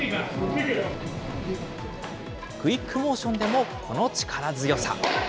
クイックモーションでも、この力強さ。